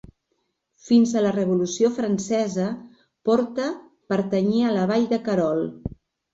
Fins a la Revolució Francesa, Porta pertanyia a la Vall de Querol.